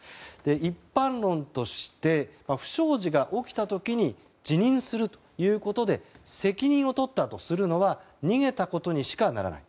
一般論として不祥事が起きた時に辞任するということで責任を取ったとするのは逃げたことにしかならない。